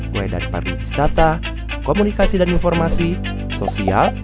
mulai dari pariwisata komunikasi dan informasi sosial